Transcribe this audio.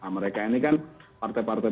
mereka ini kan partai partai